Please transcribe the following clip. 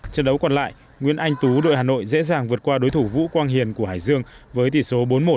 trận đấu còn lại nguyễn anh tú đội hà nội dễ dàng vượt qua đối thủ vũ quang hiền của hải dương với tỷ số bốn mươi một